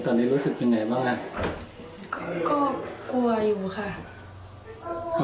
ตอนนี้รู้สึกยังไงบ้างฮะก็กลัวอยู่ค่ะ